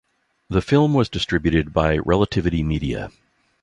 The film was distributed by Relativity Media.